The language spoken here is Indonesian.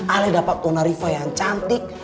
ali dapet tuh narifa yang cantik